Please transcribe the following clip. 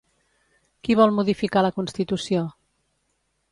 Qui vol modificar la Constitució?